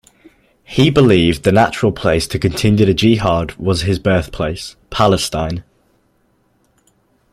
He believed the natural place to continue the jihad was his birthplace, Palestine.